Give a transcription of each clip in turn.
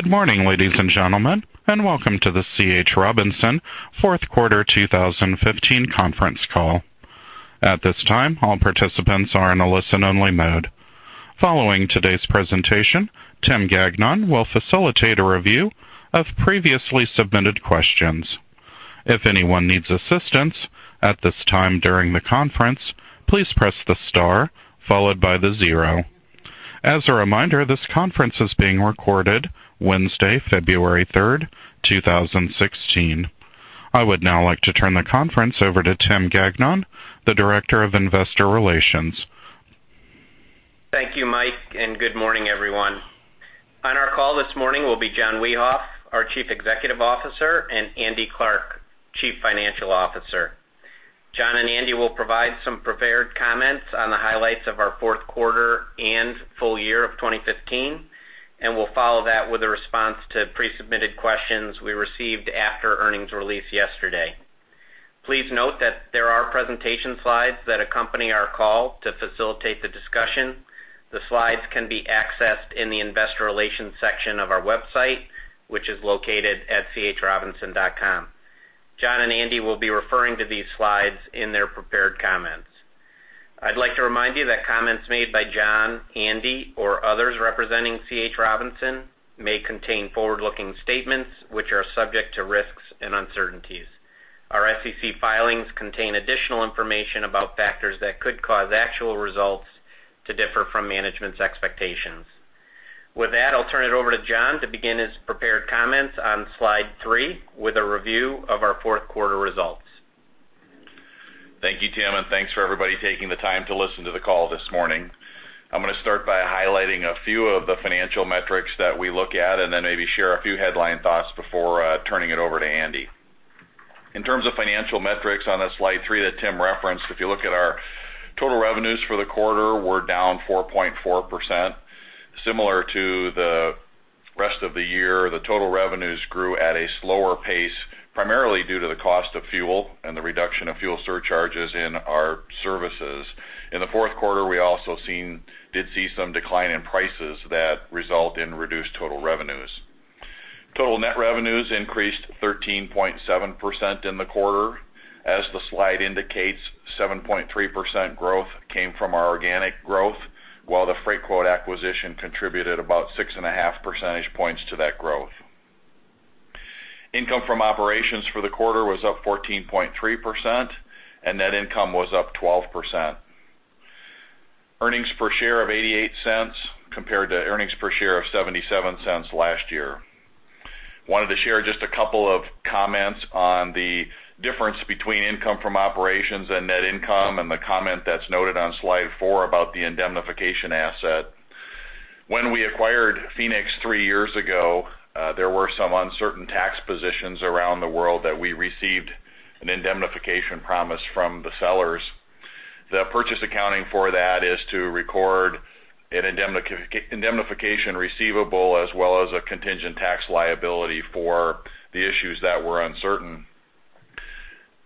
Good morning, ladies and gentlemen, and welcome to the C.H. Robinson fourth quarter 2015 conference call. At this time, all participants are in a listen-only mode. Following today's presentation, Tim Gagnon will facilitate a review of previously submitted questions. If anyone needs assistance at this time during the conference, please press the star followed by the zero. As a reminder, this conference is being recorded Wednesday, February 3, 2016. I would now like to turn the conference over to Tim Gagnon, the Director of Investor Relations. Thank you, Mike, and good morning, everyone. On our call this morning will be John Wiehoff, our Chief Executive Officer, and Andrew Clarke, Chief Financial Officer. John and Andy will provide some prepared comments on the highlights of our fourth quarter and full year of 2015, and we'll follow that with a response to pre-submitted questions we received after earnings release yesterday. Please note that there are presentation slides that accompany our call to facilitate the discussion. The slides can be accessed in the investor relations section of our website, which is located at chrobinson.com. John and Andy will be referring to these slides in their prepared comments. I'd like to remind you that comments made by John, Andy, or others representing C.H. Robinson may contain forward-looking statements which are subject to risks and uncertainties. Our SEC filings contain additional information about factors that could cause actual results to differ from management's expectations. With that, I'll turn it over to John to begin his prepared comments on slide three with a review of our fourth quarter results. Thank you, Tim, and thanks for everybody taking the time to listen to the call this morning. I'm going to start by highlighting a few of the financial metrics that we look at and then maybe share a few headline thoughts before turning it over to Andy. In terms of financial metrics on slide three that Tim referenced, if you look at our total revenues for the quarter, we're down 4.4%. Similar to the rest of the year, the total revenues grew at a slower pace, primarily due to the cost of fuel and the reduction of fuel surcharges in our services. In the fourth quarter, we also did see some decline in prices that result in reduced total revenues. Total net revenues increased 13.7% in the quarter. As the slide indicates, 7.3% growth came from our organic growth, while the Freightquote acquisition contributed about six and a half percentage points to that growth. Income from operations for the quarter was up 14.3%, and net income was up 12%. Earnings per share of $0.88 compared to earnings per share of $0.77 last year. Wanted to share just a couple of comments on the difference between income from operations and net income, and the comment that's noted on slide four about the indemnification asset. When we acquired Phoenix three years ago, there were some uncertain tax positions around the world that we received an indemnification promise from the sellers. The purchase accounting for that is to record an indemnification receivable, as well as a contingent tax liability for the issues that were uncertain.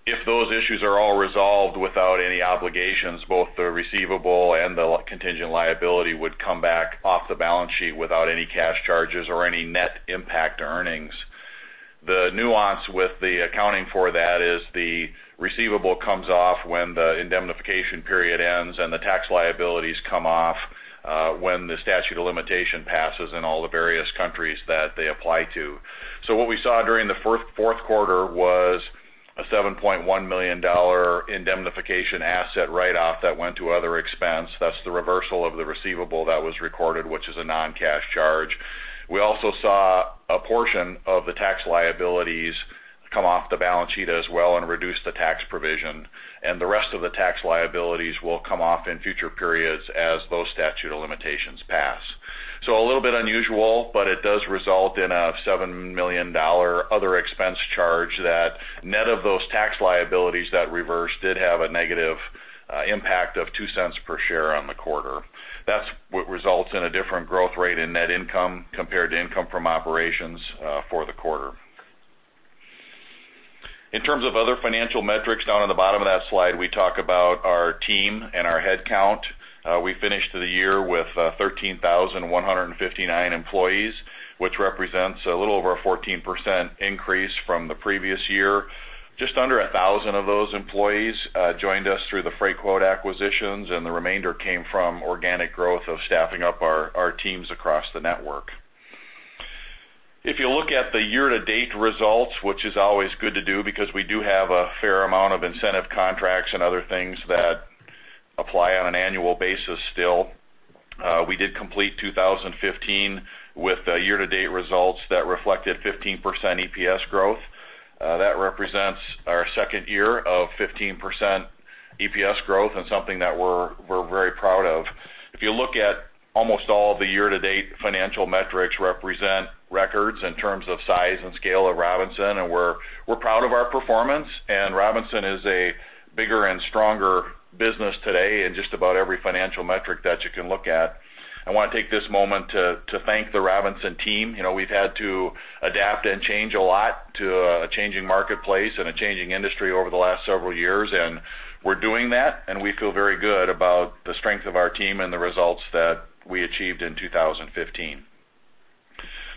If those issues are all resolved without any obligations, both the receivable and the contingent liability would come back off the balance sheet without any cash charges or any net impact to earnings. The nuance with the accounting for that is the receivable comes off when the indemnification period ends, and the tax liabilities come off when the statute of limitation passes in all the various countries that they apply to. What we saw during the fourth quarter was a $7.1 million indemnification asset write-off that went to other expense. That's the reversal of the receivable that was recorded, which is a non-cash charge. We also saw a portion of the tax liabilities come off the balance sheet as well and reduce the tax provision, and the rest of the tax liabilities will come off in future periods as those statute of limitations pass. A little bit unusual, but it does result in a $7 million other expense charge that net of those tax liabilities that reversed did have a negative impact of $0.02 per share on the quarter. That's what results in a different growth rate in net income compared to income from operations for the quarter. In terms of other financial metrics, down at the bottom of that slide, we talk about our team and our headcount. We finished the year with 13,159 employees, which represents a little over a 14% increase from the previous year. Just under 1,000 of those employees joined us through the Freightquote acquisitions, and the remainder came from organic growth of staffing up our teams across the network. If you look at the year-to-date results, which is always good to do because we do have a fair amount of incentive contracts and other things that apply on an annual basis still, we did complete 2015 with year-to-date results that reflected 15% EPS growth. That represents our second year of 15% EPS growth and something that we're very proud of. If you look at almost all the year-to-date financial metrics represent records in terms of size and scale of Robinson, and we're proud of our performance, and Robinson is a bigger and stronger business today in just about every financial metric that you can look at. I want to take this moment to thank the Robinson team. We've had to adapt and change a lot to a changing marketplace and a changing industry over the last several years, and we're doing that, and we feel very good about the strength of our team and the results that we achieved in 2015.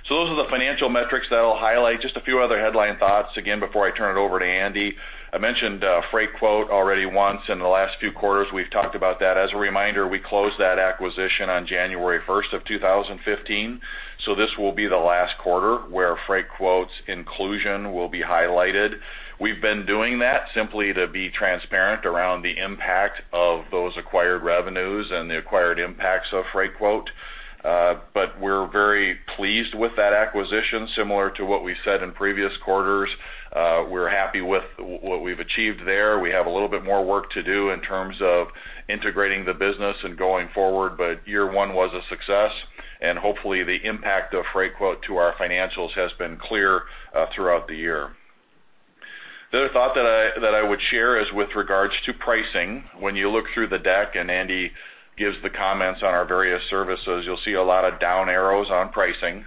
Those are the financial metrics that I'll highlight. Just a few other headline thoughts, again, before I turn it over to Andy. I mentioned Freightquote already once. In the last few quarters, we've talked about that. As a reminder, we closed that acquisition on January 1st of 2015, so this will be the last quarter where Freightquote's inclusion will be highlighted. We've been doing that simply to be transparent around the impact of those acquired revenues and the acquired impacts of Freightquote. We're very pleased with that acquisition. Similar to what we said in previous quarters, we're happy with what we've achieved there. We have a little bit more work to do in terms of integrating the business and going forward, but year one was a success, and hopefully the impact of Freightquote to our financials has been clear throughout the year. The other thought that I would share is with regards to pricing. When you look through the deck, Andy gives the comments on our various services, you'll see a lot of down arrows on pricing.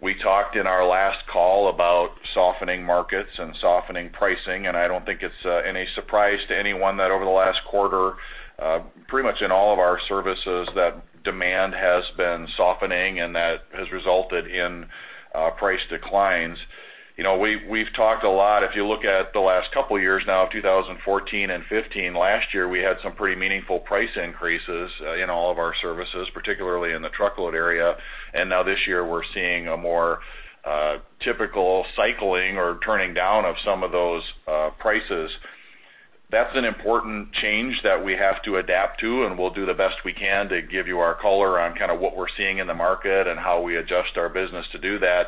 We talked in our last call about softening markets and softening pricing. I don't think it's any surprise to anyone that over the last quarter, pretty much in all of our services, that demand has been softening, and that has resulted in price declines. We've talked a lot, if you look at the last couple of years now, 2014 and 2015, last year, we had some pretty meaningful price increases in all of our services, particularly in the truckload area. Now this year, we're seeing a more typical cycling or turning down of some of those prices. That's an important change that we have to adapt to, and we'll do the best we can to give you our color on kind of what we're seeing in the market and how we adjust our business to do that.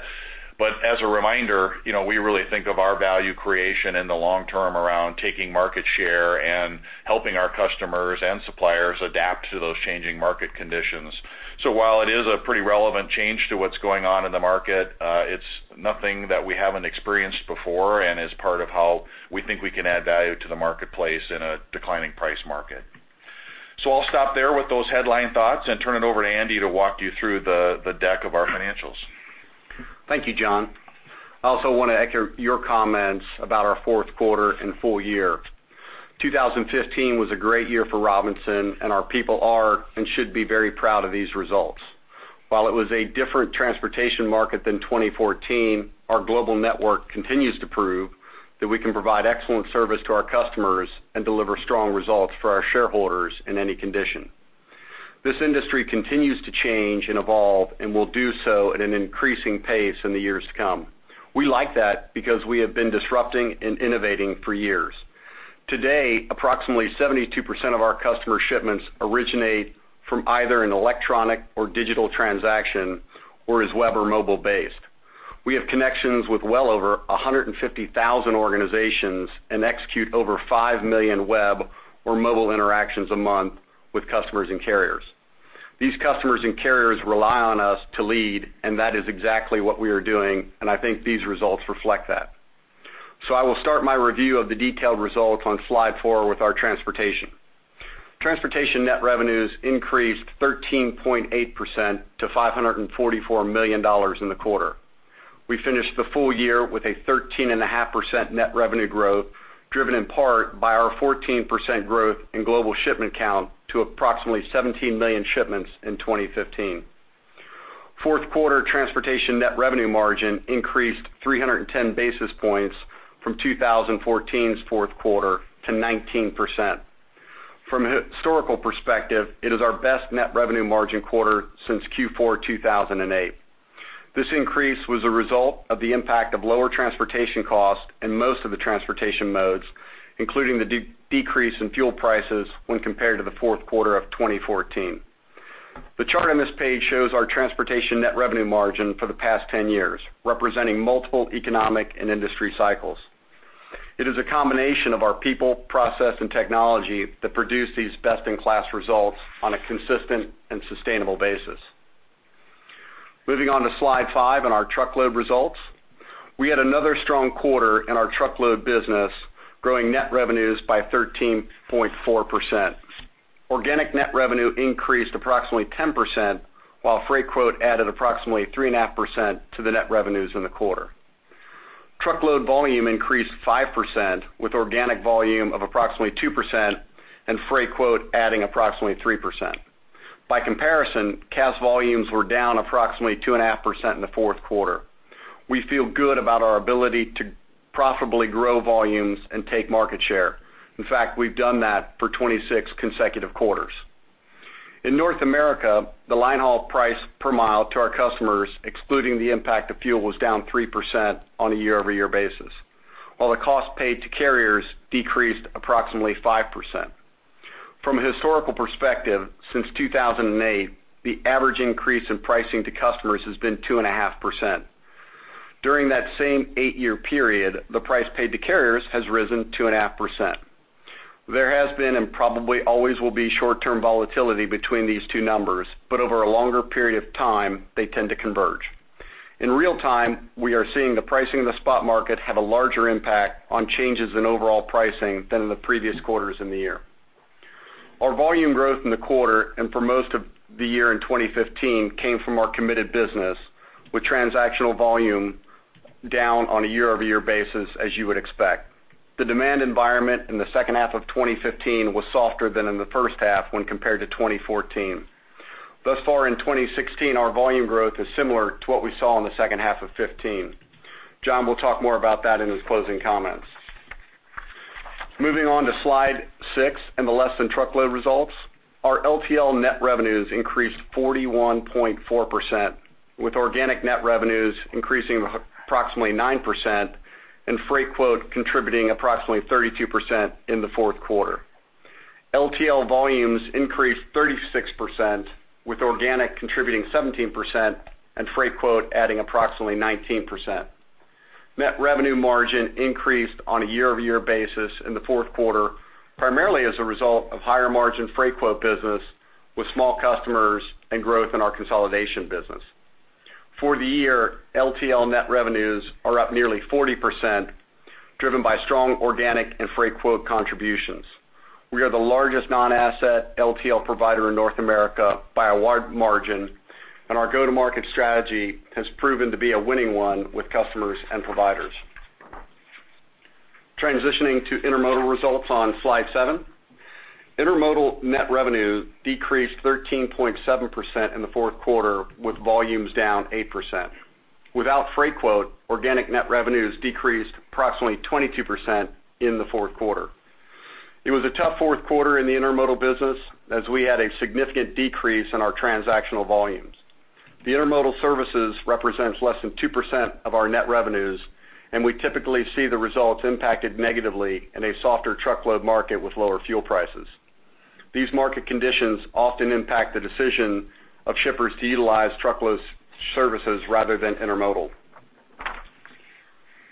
As a reminder, we really think of our value creation in the long term around taking market share and helping our customers and suppliers adapt to those changing market conditions. While it is a pretty relevant change to what's going on in the market, it's nothing that we haven't experienced before and is part of how we think we can add value to the marketplace in a declining price market. I'll stop there with those headline thoughts and turn it over to Andy to walk you through the deck of our financials. Thank you, John. I also want to echo your comments about our fourth quarter and full year. 2015 was a great year for Robinson, and our people are, and should be very proud of these results. While it was a different transportation market than 2014, our global network continues to prove that we can provide excellent service to our customers and deliver strong results for our shareholders in any condition. This industry continues to change and evolve and will do so at an increasing pace in the years to come. We like that because we have been disrupting and innovating for years. Today, approximately 72% of our customer shipments originate from either an electronic or digital transaction, or is web or mobile based. We have connections with well over 150,000 organizations and execute over 5 million web or mobile interactions a month with customers and carriers. These customers and carriers rely on us to lead, and that is exactly what we are doing, and I think these results reflect that. I will start my review of the detailed results on slide four with our transportation. Transportation net revenues increased 13.8% to $544 million in the quarter. We finished the full year with a 13.5% net revenue growth, driven in part by our 14% growth in global shipment count to approximately 17 million shipments in 2015. Fourth quarter transportation net revenue margin increased 310 basis points from 2014's fourth quarter to 19%. From a historical perspective, it is our best net revenue margin quarter since Q4 2008. This increase was a result of the impact of lower transportation costs in most of the transportation modes, including the decrease in fuel prices when compared to the fourth quarter of 2014. The chart on this page shows our transportation net revenue margin for the past 10 years, representing multiple economic and industry cycles. It is a combination of our people, process, and technology that produce these best-in-class results on a consistent and sustainable basis. Moving on to slide five on our truckload results. We had another strong quarter in our truckload business, growing net revenues by 13.4%. Organic net revenue increased approximately 10%, while Freightquote added approximately 3.5% to the net revenues in the quarter. Truckload volume increased 5%, with organic volume of approximately 2% and Freightquote adding approximately 3%. By comparison, Cass volumes were down approximately 2.5% in the fourth quarter. We feel good about our ability to profitably grow volumes and take market share. In fact, we've done that for 26 consecutive quarters. In North America, the line haul price per mile to our customers, excluding the impact of fuel, was down 3% on a year-over-year basis, while the cost paid to carriers decreased approximately 5%. From a historical perspective, since 2008, the average increase in pricing to customers has been 2.5%. During that same eight-year period, the price paid to carriers has risen 2.5%. There has been, and probably always will be, short-term volatility between these two numbers, but over a longer period of time, they tend to converge. In real-time, we are seeing the pricing in the spot market have a larger impact on changes in overall pricing than in the previous quarters in the year. Our volume growth in the quarter, and for most of the year in 2015, came from our committed business, with transactional volume down on a year-over-year basis, as you would expect. The demand environment in the second half of 2015 was softer than in the first half when compared to 2014. Thus far in 2016, our volume growth is similar to what we saw in the second half of 2015. John will talk more about that in his closing comments. Moving on to slide six and the less-than-truckload results. Our LTL net revenues increased 41.4%, with organic net revenues increasing approximately 9% and Freightquote contributing approximately 32% in the fourth quarter. LTL volumes increased 36%, with organic contributing 17% and Freightquote adding approximately 19%. Net revenue margin increased on a year-over-year basis in the fourth quarter, primarily as a result of higher margin Freightquote business with small customers and growth in our consolidation business. For the year, LTL net revenues are up nearly 40%, driven by strong organic and Freightquote contributions. We are the largest non-asset LTL provider in North America by a wide margin. Our go-to-market strategy has proven to be a winning one with customers and providers. Transitioning to intermodal results on slide seven. Intermodal net revenue decreased 13.7% in the fourth quarter, with volumes down 8%. Without Freightquote, organic net revenues decreased approximately 22% in the fourth quarter. It was a tough fourth quarter in the intermodal business as we had a significant decrease in our transactional volumes. Intermodal services represents less than 2% of our net revenues, and we typically see the results impacted negatively in a softer truckload market with lower fuel prices. These market conditions often impact the decision of shippers to utilize truckload services rather than intermodal.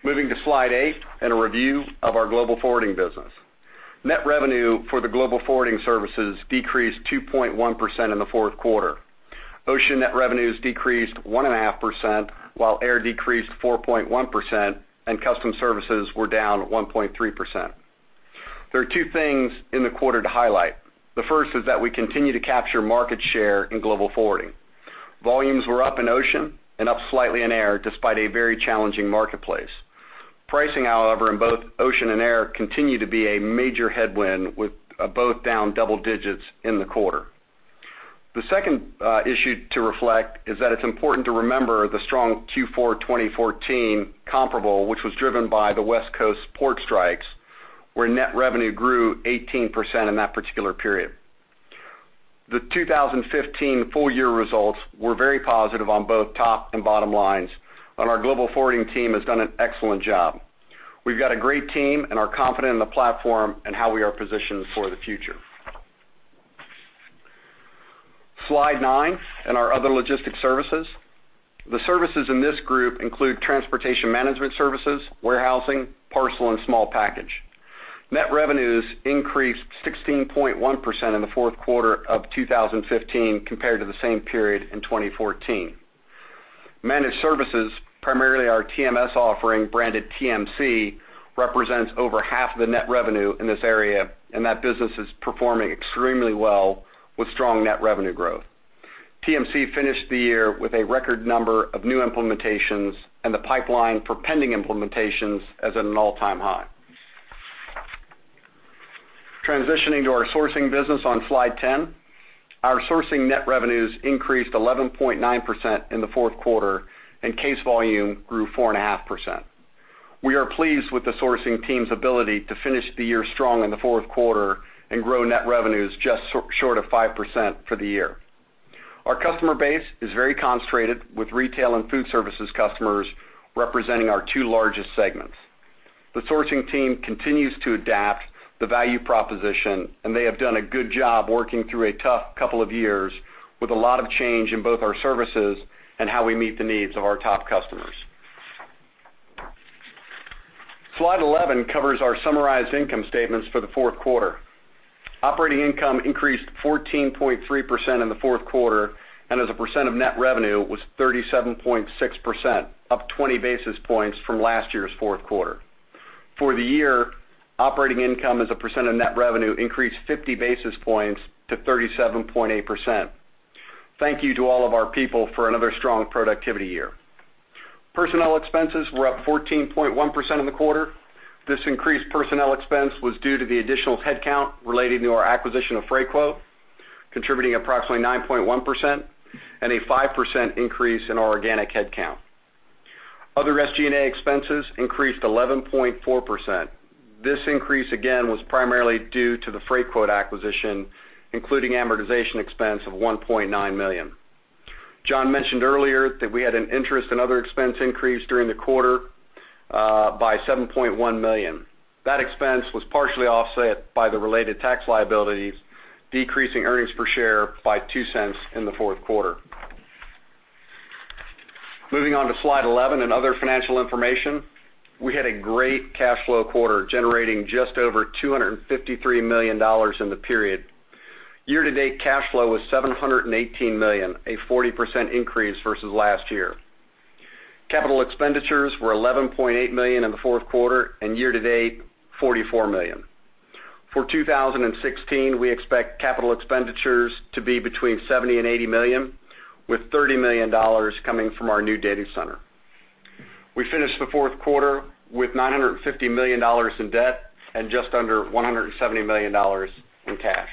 Moving to slide eight and a review of our global forwarding business. Net revenue for the global forwarding services decreased 2.1% in the fourth quarter. Ocean net revenues decreased 1.5%, while air decreased 4.1%. Customs services were down 1.3%. There are two things in the quarter to highlight. First is that we continue to capture market share in global forwarding. Volumes were up in ocean and up slightly in air, despite a very challenging marketplace. Pricing, however, in both ocean and air continue to be a major headwind, with both down double digits in the quarter. Second issue to reflect is that it's important to remember the strong Q4 2014 comparable, which was driven by the West Coast port strikes, where net revenue grew 18% in that particular period. 2015 full-year results were very positive on both top and bottom lines. Our global forwarding team has done an excellent job. We've got a great team and are confident in the platform and how we are positioned for the future. Slide nine in our other logistic services. Services in this group include transportation management services, warehousing, parcel, and small package. Net revenues increased 16.1% in the fourth quarter of 2015 compared to the same period in 2014. Managed services, primarily our TMS offering, branded TMC, represents over half the net revenue in this area. That business is performing extremely well with strong net revenue growth. TMC finished the year with a record number of new implementations. The pipeline for pending implementations is at an all-time high. Transitioning to our sourcing business on slide 10. Our sourcing net revenues increased 11.9% in the fourth quarter. Case volume grew 4.5%. We are pleased with the sourcing team's ability to finish the year strong in the fourth quarter and grow net revenues just short of 5% for the year. Our customer base is very concentrated, with retail and food services customers representing our two largest segments. The sourcing team continues to adapt the value proposition, and they have done a good job working through a tough couple of years with a lot of change in both our services and how we meet the needs of our top customers. Slide 11 covers our summarized income statements for the fourth quarter. Operating income increased 14.3% in the fourth quarter, and as a percent of net revenue, was 37.6%, up 20 basis points from last year's fourth quarter. For the year, operating income as a percent of net revenue increased 50 basis points to 37.8%. Thank you to all of our people for another strong productivity year. Personnel expenses were up 14.1% in the quarter. This increased personnel expense was due to the additional headcount relating to our acquisition of Freightquote, contributing approximately 9.1% and a 5% increase in our organic headcount. Other SG&A expenses increased 11.4%. This increase, again, was primarily due to the Freightquote acquisition, including amortization expense of $1.9 million. John mentioned earlier that we had an interest and other expense increase during the quarter by $7.1 million. That expense was partially offset by the related tax liabilities, decreasing earnings per share by $0.02 in the fourth quarter. Moving on to Slide 11 and other financial information. We had a great cash flow quarter, generating just over $253 million in the period. Year-to-date cash flow was $718 million, a 40% increase versus last year. Capital expenditures were $11.8 million in the fourth quarter, and year to date, $44 million. For 2016, we expect capital expenditures to be between $70 million and $80 million, with $30 million coming from our new data center. We finished the fourth quarter with $950 million in debt and just under $170 million in cash.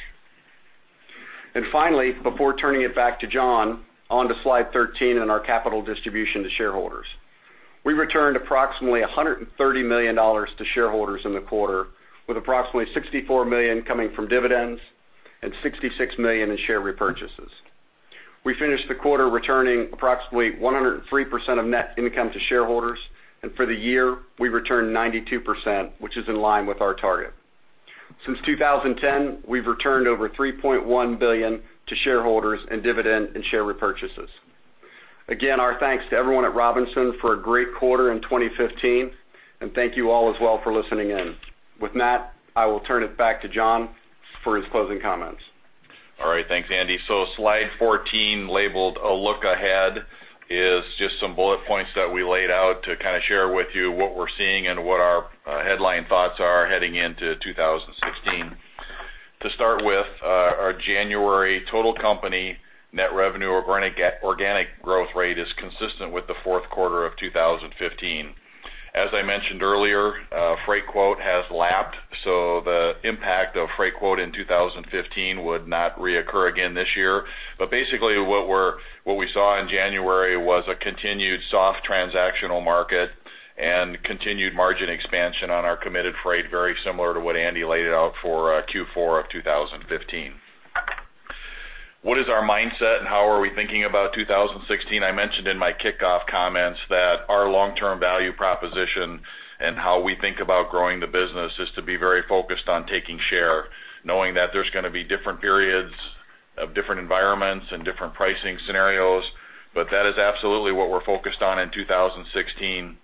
Finally, before turning it back to John, on to slide 13 and our capital distribution to shareholders. We returned approximately $130 million to shareholders in the quarter, with approximately $64 million coming from dividends and $66 million in share repurchases. We finished the quarter returning approximately 103% of net income to shareholders, and for the year, we returned 92%, which is in line with our target. Since 2010, we've returned over $3.1 billion to shareholders in dividend and share repurchases. Again, our thanks to everyone at Robinson for a great quarter in 2015, and thank you all as well for listening in. With that, I will turn it back to John for his closing comments. All right. Thanks, Andy. Slide 14, labeled A Look Ahead, is just some bullet points that we laid out to kind of share with you what we're seeing and what our headline thoughts are heading into 2016. To start with, our January total company net revenue organic growth rate is consistent with the fourth quarter of 2015. As I mentioned earlier, Freightquote has lapped, so the impact of Freightquote in 2015 would not reoccur again this year. Basically, what we saw in January was a continued soft transactional market and continued margin expansion on our committed freight, very similar to what Andy laid out for Q4 of 2015. What is our mindset, and how are we thinking about 2016? I mentioned in my kickoff comments that our long-term value proposition and how we think about growing the business is to be very focused on taking share, knowing that there's going to be different periods of different environments and different pricing scenarios. That is absolutely what we're focused on in 2016.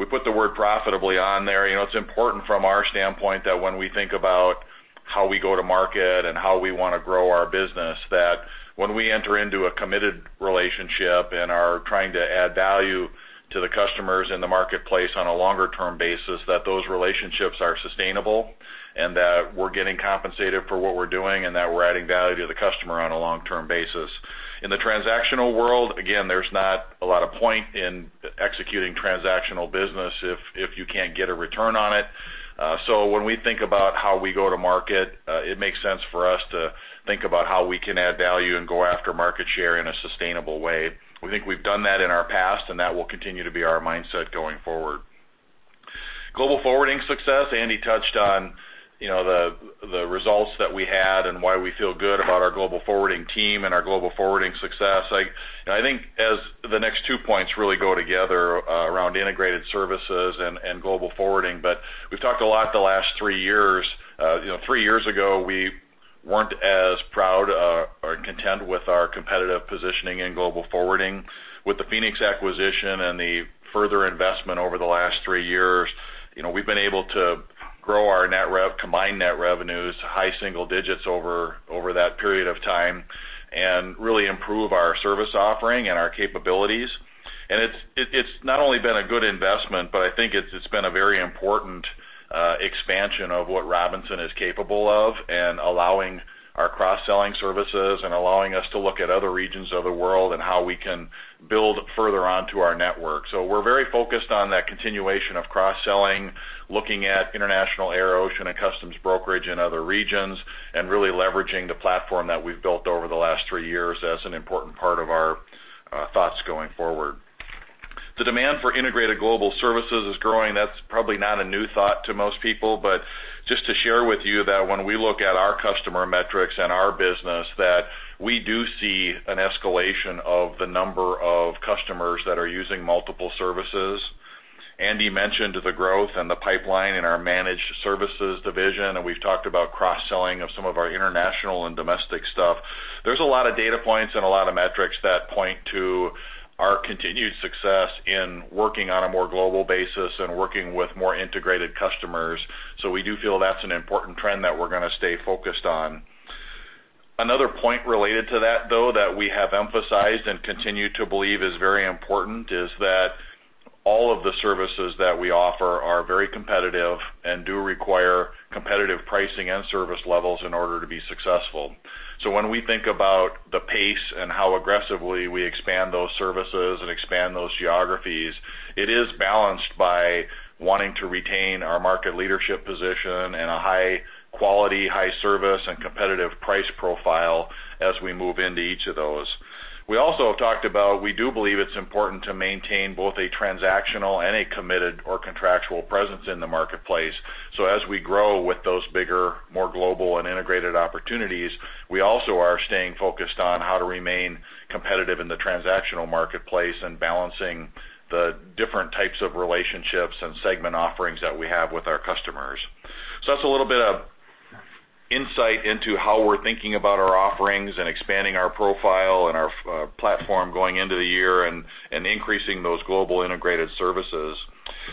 We put the word profitably on there. It's important from our standpoint that when we think about how we go to market and how we want to grow our business, that when we enter into a committed relationship and are trying to add value to the customers in the marketplace on a longer-term basis, that those relationships are sustainable and that we're getting compensated for what we're doing and that we're adding value to the customer on a long-term basis. In the transactional world, again, there's not a lot of point in executing transactional business if you can't get a return on it. When we think about how we go to market, it makes sense for us to think about how we can add value and go after market share in a sustainable way. We think we've done that in our past, and that will continue to be our mindset going forward. Global forwarding success. Andy touched on the results that we had and why we feel good about our global forwarding team and our global forwarding success. I think as the next two points really go together around integrated services and global forwarding. We've talked a lot the last three years. Three years ago, we weren't as proud or content with our competitive positioning in global forwarding. With the Phoenix acquisition and the further investment over the last three years, we've been able to grow our combined net revenues high single digits over that period of time and really improve our service offering and our capabilities. It's not only been a good investment, but I think it's been a very important expansion of what Robinson is capable of and allowing our cross-selling services and allowing us to look at other regions of the world and how we can build further onto our network. We're very focused on that continuation of cross-selling, looking at international air, ocean, and customs brokerage in other regions, and really leveraging the platform that we've built over the last three years as an important part of our thoughts going forward. The demand for integrated global services is growing. That's probably not a new thought to most people, but just to share with you that when we look at our customer metrics and our business, that we do see an escalation of the number of customers that are using multiple services. Andy mentioned the growth and the pipeline in our managed services division, and we've talked about cross-selling of some of our international and domestic stuff. There's a lot of data points and a lot of metrics that point to our continued success in working on a more global basis and working with more integrated customers. We do feel that's an important trend that we're going to stay focused on. Another point related to that, though, that we have emphasized and continue to believe is very important is that all of the services that we offer are very competitive and do require competitive pricing and service levels in order to be successful. When we think about the pace and how aggressively we expand those services and expand those geographies, it is balanced by wanting to retain our market leadership position and a high quality, high service, and competitive price profile as we move into each of those. We also have talked about, we do believe it's important to maintain both a transactional and a committed or contractual presence in the marketplace. As we grow with those bigger, more global, and integrated opportunities, we also are staying focused on how to remain competitive in the transactional marketplace and balancing the different types of relationships and segment offerings that we have with our customers. That's a little bit of insight into how we're thinking about our offerings and expanding our profile and our platform going into the year and increasing those global integrated services.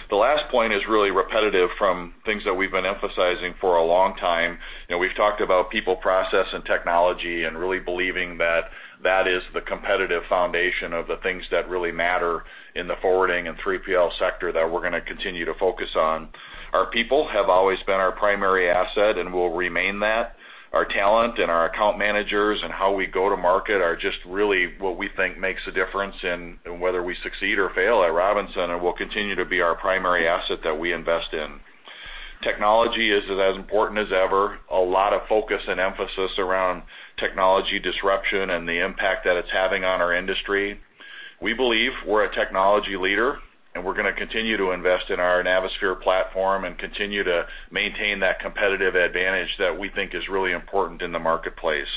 The last point is really repetitive from things that we've been emphasizing for a long time. We've talked about people, process, and technology and really believing that that is the competitive foundation of the things that really matter in the forwarding and 3PL sector that we're going to continue to focus on. Our people have always been our primary asset and will remain that. Our talent and our account managers and how we go to market are just really what we think makes a difference in whether we succeed or fail at Robinson and will continue to be our primary asset that we invest in. Technology is as important as ever. A lot of focus and emphasis around technology disruption and the impact that it's having on our industry. We believe we're a technology leader, and we're going to continue to invest in our Navisphere platform and continue to maintain that competitive advantage that we think is really important in the marketplace.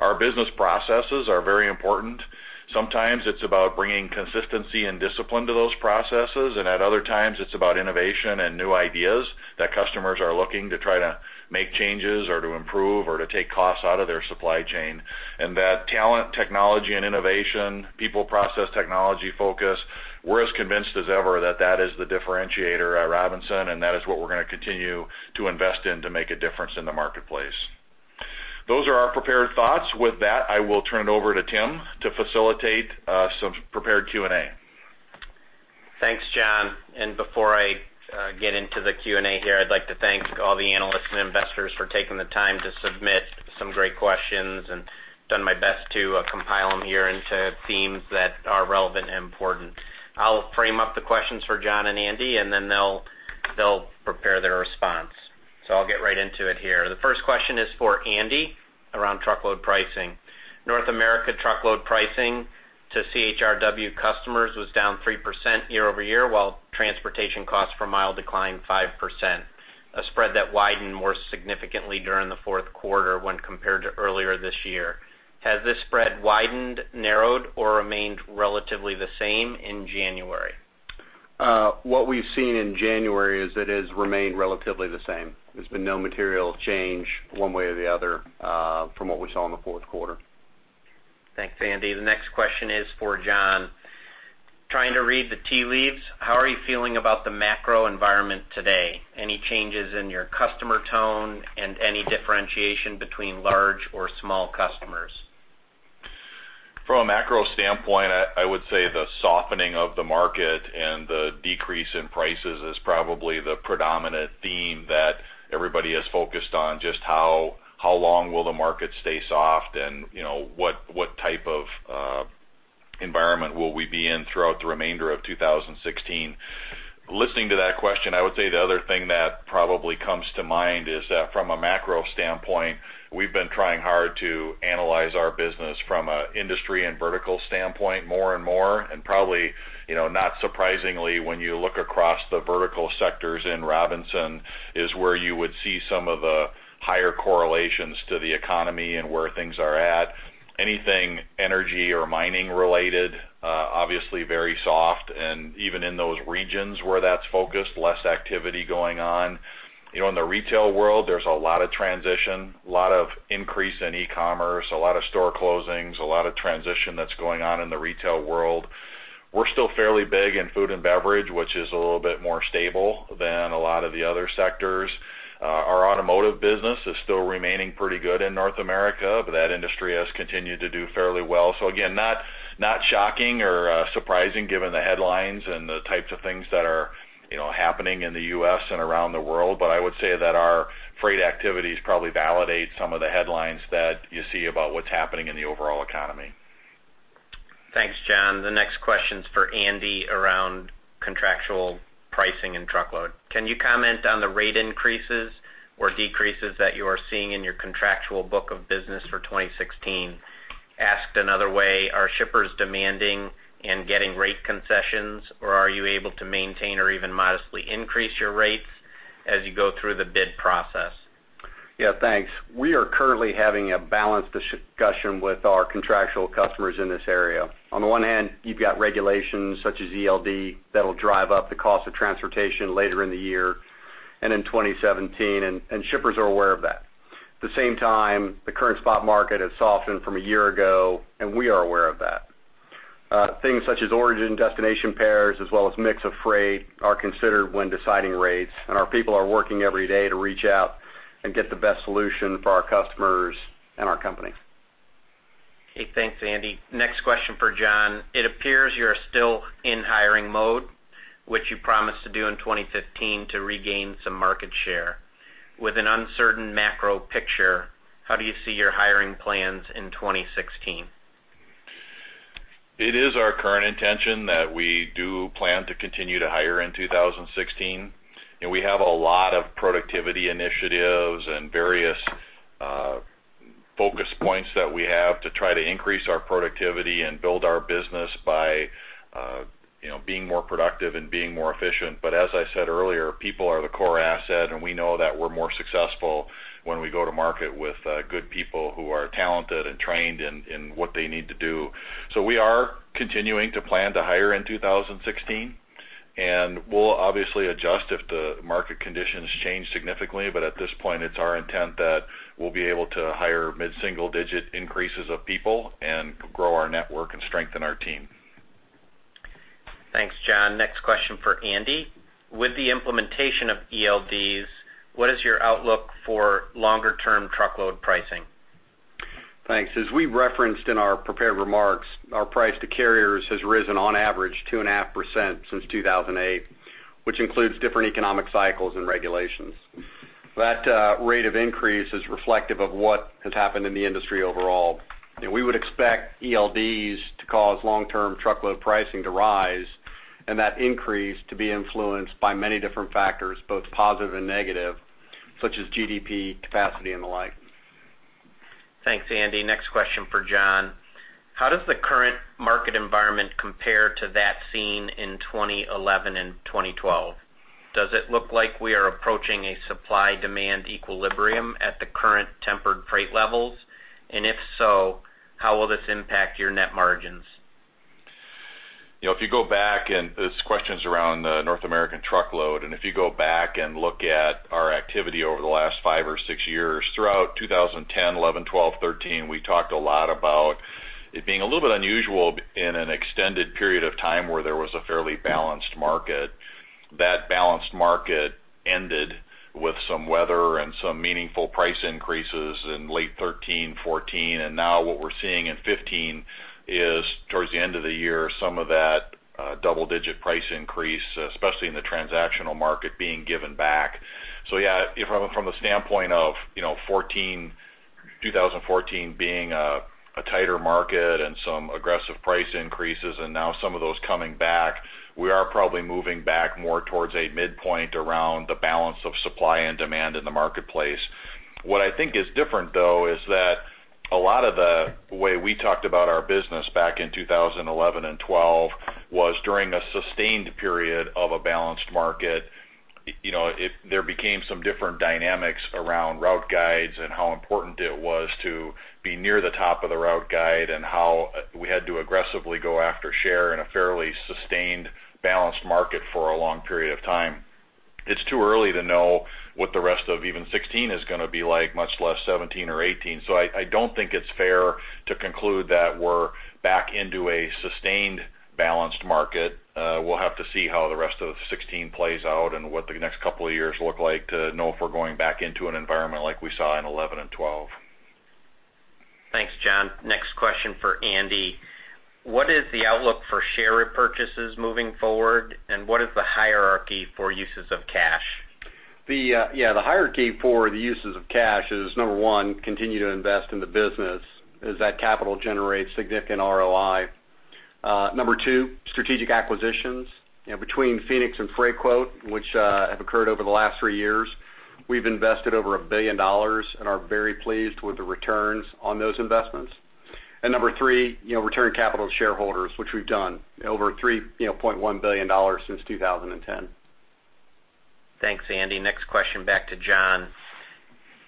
Our business processes are very important. Sometimes it's about bringing consistency and discipline to those processes, and at other times it's about innovation and new ideas that customers are looking to try to make changes or to improve or to take costs out of their supply chain. That talent, technology, and innovation, people process technology focus, we're as convinced as ever that that is the differentiator at Robinson and that is what we're going to continue to invest in to make a difference in the marketplace. Those are our prepared thoughts. With that, I will turn it over to Tim to facilitate some prepared Q&A. Thanks, John. Before I get into the Q&A here, I'd like to thank all the analysts and investors for taking the time to submit some great questions, and done my best to compile them here into themes that are relevant and important. I'll frame up the questions for John and Andy, then they'll prepare their response. I'll get right into it here. The first question is for Andy around truckload pricing. North America truckload pricing to CHRW customers was down 3% year-over-year, while transportation costs per mile declined 5%, a spread that widened more significantly during the fourth quarter when compared to earlier this year. Has this spread widened, narrowed, or remained relatively the same in January? What we've seen in January is it has remained relatively the same. There's been no material change one way or the other from what we saw in the fourth quarter. Thanks, Andy. Trying to read the tea leaves, how are you feeling about the macro environment today? Any changes in your customer tone and any differentiation between large or small customers? From a macro standpoint, I would say the softening of the market and the decrease in prices is probably the predominant theme that everybody is focused on, just how long will the market stay soft and what type of environment will we be in throughout the remainder of 2016. Listening to that question, I would say the other thing that probably comes to mind is that from a macro standpoint, we've been trying hard to analyze our business from an industry and vertical standpoint more and more. Probably, not surprisingly, when you look across the vertical sectors in Robinson is where you would see some of the higher correlations to the economy and where things are at. Anything energy or mining related, obviously very soft, and even in those regions where that's focused, less activity going on. In the retail world, there's a lot of transition, a lot of increase in e-commerce, a lot of store closings, a lot of transition that's going on in the retail world. We're still fairly big in food and beverage, which is a little bit more stable than a lot of the other sectors. Our automotive business is still remaining pretty good in North America, but that industry has continued to do fairly well. Again, not shocking or surprising given the headlines and the types of things that are happening in the U.S. and around the world. I would say that our freight activities probably validate some of the headlines that you see about what's happening in the overall economy. Thanks, John. The next question is for Andy around contractual pricing and truckload. Can you comment on the rate increases or decreases that you are seeing in your contractual book of business for 2016? Asked another way, are shippers demanding and getting rate concessions, or are you able to maintain or even modestly increase your rates as you go through the bid process? Yeah. Thanks. We are currently having a balanced discussion with our contractual customers in this area. On the one hand, you've got regulations such as ELD that'll drive up the cost of transportation later in the year and in 2017, shippers are aware of that. At the same time, the current spot market has softened from a year ago, we are aware of that. Things such as origin destination pairs as well as mix of freight are considered when deciding rates, our people are working every day to reach out and get the best solution for our customers and our company. Okay. Thanks, Andy. Next question for John. It appears you're still in hiring mode, which you promised to do in 2015 to regain some market share. With an uncertain macro picture, how do you see your hiring plans in 2016? It is our current intention that we do plan to continue to hire in 2016. We have a lot of productivity initiatives and various focus points that we have to try to increase our productivity and build our business by being more productive and being more efficient. As I said earlier, people are the core asset, and we know that we're more successful when we go to market with good people who are talented and trained in what they need to do. We are continuing to plan to hire in 2016, and we'll obviously adjust if the market conditions change significantly. At this point, it's our intent that we'll be able to hire mid-single digit increases of people and grow our network and strengthen our team. Thanks, John. Next question for Andy. With the implementation of ELDs, what is your outlook for longer term truckload pricing? Thanks. As we referenced in our prepared remarks, our price to carriers has risen on average 2.5% since 2008, which includes different economic cycles and regulations. That rate of increase is reflective of what has happened in the industry overall. We would expect ELDs to cause long-term truckload pricing to rise, and that increase to be influenced by many different factors, both positive and negative, such as GDP capacity and the like. Thanks, Andy. Next question for John. How does the current market environment compare to that seen in 2011 and 2012? Does it look like we are approaching a supply-demand equilibrium at the current tempered freight levels? If so, how will this impact your net margins? This question's around the North American truckload, and if you go back and look at our activity over the last five or six years, throughout 2010, 2011, 2012, 2013, we talked a lot about it being a little bit unusual in an extended period of time where there was a fairly balanced market. That balanced market ended with some weather and some meaningful price increases in late 2013, 2014, and now what we're seeing in 2015 is towards the end of the year, some of that double-digit price increase, especially in the transactional market, being given back. Yeah, from the standpoint of 2014 being a tighter market and some aggressive price increases, and now some of those coming back, we are probably moving back more towards a midpoint around the balance of supply and demand in the marketplace. What I think is different, though, is that a lot of the way we talked about our business back in 2011 and 2012 was during a sustained period of a balanced market. There became some different dynamics around route guides and how important it was to be near the top of the route guide, and how we had to aggressively go after share in a fairly sustained, balanced market for a long period of time. It's too early to know what the rest of even 2016 is going to be like, much less 2017 or 2018. I don't think it's fair to conclude that we're back into a sustained balanced market. We'll have to see how the rest of 2016 plays out and what the next couple of years look like to know if we're going back into an environment like we saw in 2011 and 2012. Thanks, John. Next question for Andy. What is the outlook for share repurchases moving forward, and what is the hierarchy for uses of cash? The hierarchy for the uses of cash is, number 1, continue to invest in the business as that capital generates significant ROI. Number 2, strategic acquisitions. Between Phoenix and Freightquote, which have occurred over the last 3 years, we've invested over $1 billion and are very pleased with the returns on those investments. Number 3, return capital to shareholders, which we've done over $3.1 billion since 2010. Thanks, Andy. Next question back to John.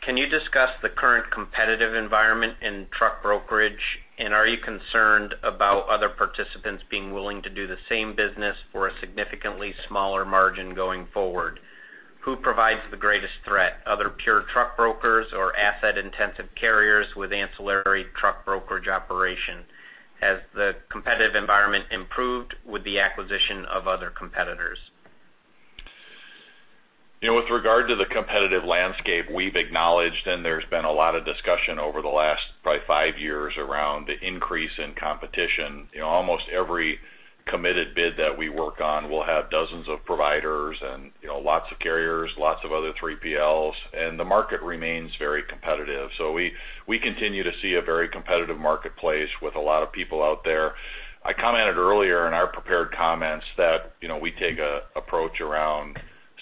Can you discuss the current competitive environment in truck brokerage, are you concerned about other participants being willing to do the same business for a significantly smaller margin going forward? Who provides the greatest threat, other pure truck brokers or asset-intensive carriers with ancillary truck brokerage operation? Has the competitive environment improved with the acquisition of other competitors? With regard to the competitive landscape, we've acknowledged, there's been a lot of discussion over the last probably five years around the increase in competition. Almost every committed bid that we work on will have dozens of providers and lots of carriers, lots of other 3PLs, the market remains very competitive. We continue to see a very competitive marketplace with a lot of people out there. I commented earlier in our prepared comments that we take an approach around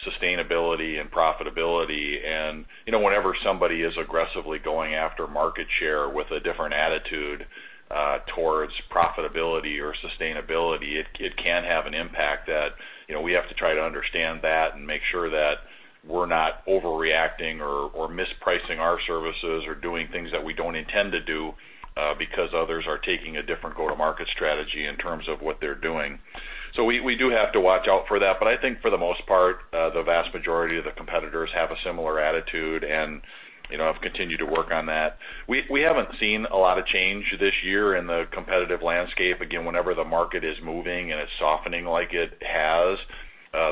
sustainability and profitability, whenever somebody is aggressively going after market share with a different attitude towards profitability or sustainability, it can have an impact that we have to try to understand that and make sure that we're not overreacting or mispricing our services or doing things that we don't intend to do because others are taking a different go-to-market strategy in terms of what they're doing. We do have to watch out for that. I think for the most part, the vast majority of the competitors have a similar attitude and have continued to work on that. We haven't seen a lot of change this year in the competitive landscape. Again, whenever the market is moving and it's softening like it has,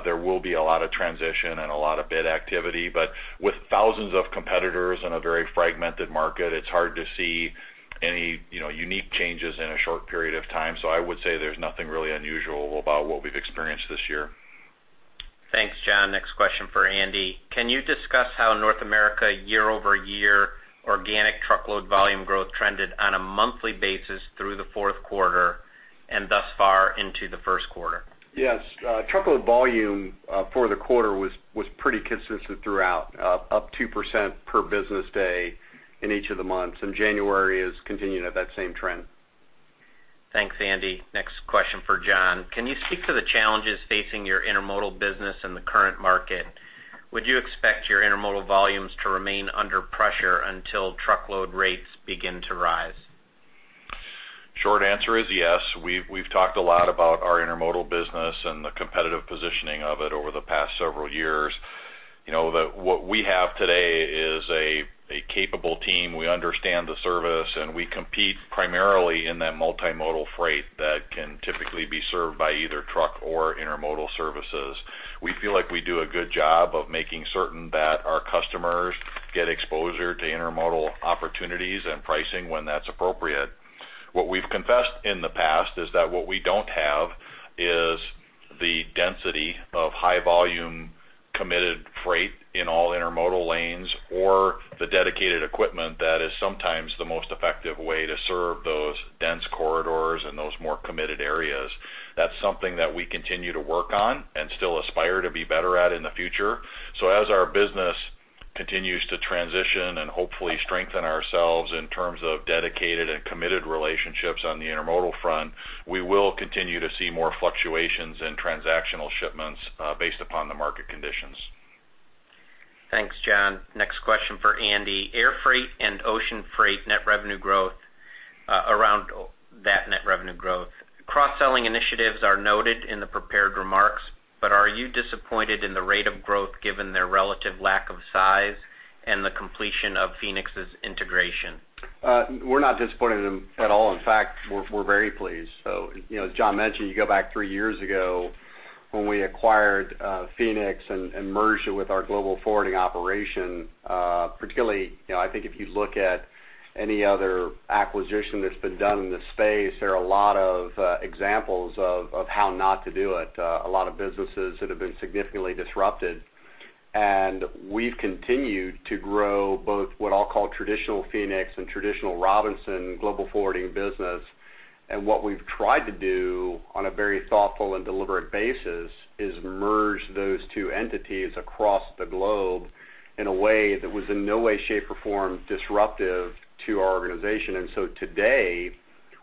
there will be a lot of transition and a lot of bid activity. With thousands of competitors in a very fragmented market, it's hard to see any unique changes in a short period of time. I would say there's nothing really unusual about what we've experienced this year. Thanks, John. Next question for Andy. Can you discuss how North America year-over-year organic truckload volume growth trended on a monthly basis through the fourth quarter and thus far into the first quarter? Yes. Truckload volume for the quarter was pretty consistent throughout, up 2% per business day in each of the months, January is continuing at that same trend. Thanks, Andy. Next question for John. Can you speak to the challenges facing your intermodal business in the current market? Would you expect your intermodal volumes to remain under pressure until truckload rates begin to rise? Short answer is yes. We've talked a lot about our intermodal business, the competitive positioning of it over the past several years. What we have today is a capable team. We understand the service, we compete primarily in that multimodal freight that can typically be served by either truck or intermodal services. We feel like we do a good job of making certain that our customers get exposure to intermodal opportunities and pricing when that's appropriate. What we've confessed in the past is that what we don't have is the density of high volume committed freight in all intermodal lanes or the dedicated equipment that is sometimes the most effective way to serve those dense corridors and those more committed areas. That's something that we continue to work on still aspire to be better at in the future. As our business continues to transition and hopefully strengthen ourselves in terms of dedicated and committed relationships on the intermodal front, we will continue to see more fluctuations in transactional shipments based upon the market conditions. Thanks, John. Next question for Andy. Air freight and ocean freight net revenue growth, around that net revenue growth. Cross-selling initiatives are noted in the prepared remarks, but are you disappointed in the rate of growth given their relative lack of size and the completion of Phoenix's integration? We're not disappointed in them at all. In fact, we're very pleased. As John mentioned, you go back three years ago when we acquired Phoenix and merged it with our global forwarding operation. Particularly, I think if you look at any other acquisition that's been done in this space, there are a lot of examples of how not to do it. A lot of businesses that have been significantly disrupted. We've continued to grow both what I'll call traditional Phoenix and traditional Robinson Global Forwarding business. What we've tried to do on a very thoughtful and deliberate basis is merge those two entities across the globe in a way that was in no way, shape, or form disruptive to our organization. Today,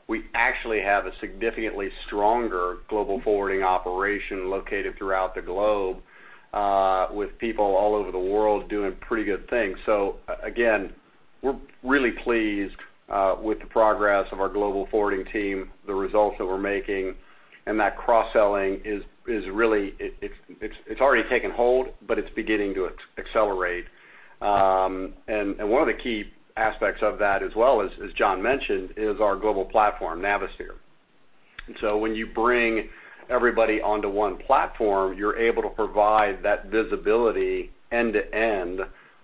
we actually have a significantly stronger global forwarding operation located throughout the globe, with people all over the world doing pretty good things. Again, we're really pleased with the progress of our global forwarding team, the results that we're making, and that cross-selling it's already taken hold, but it's beginning to accelerate. One of the key aspects of that as well is, as John mentioned, is our global platform, Navisphere. So when you bring everybody onto one platform, you're able to provide that visibility end to end